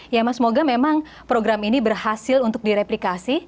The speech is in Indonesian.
ya mas semoga memang program ini berhasil untuk direplikasi